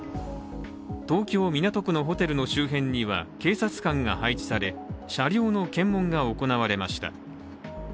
東京・港区のホテルの周辺には警察官が配置され車両の検問が行われました。